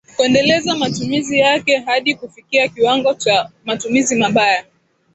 kuendeleza matumizi yake hadi kufikia kiwango cha matumizi mabaya